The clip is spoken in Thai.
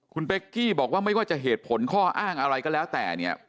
คุณเป๊กกี้บอกว่าไม่ว่าจะเหตุผลข้ออ้างอะไรก็แล้วแต่เนี่ย